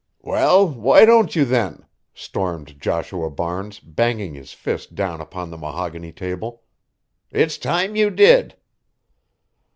"Well, why don't you, then?" stormed Joshua Barnes, banging his fist down upon the mahogany table. "It's time you did."